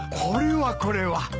これはこれは。